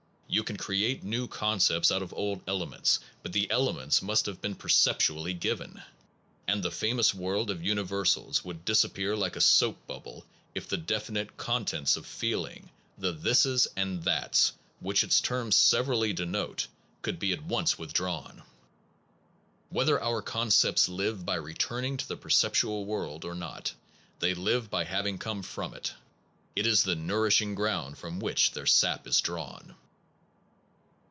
You can create new concepts out of old ele ments, but the elements must have been per ceptually given; and the famous world of universals would disappear like a soap bubble if the definite contents of feeling, the thises and thats, which its terms severally denote, could be at once withdrawn. Whether our concepts live by returning to the perceptual world or not, they live by having come from it. It is the nourishing ground from which their sap is drawn.